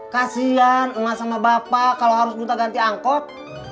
kasian emak sama bapak kalau harus minta ganti angkot